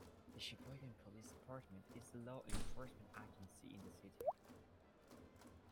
The Sheboygan Police Department is the law enforcement agency in the city.